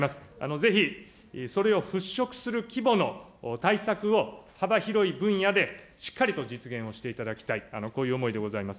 ぜひそれを払拭する規模の対策を、幅広い分野でしっかりと実現をしていただきたい、こういう思いでございます。